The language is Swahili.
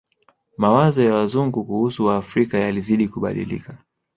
Mawazo ya Wazungu kuhusu Waafrika yalizidi kubadilika